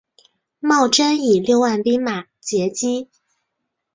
茂贞以六万兵马截击。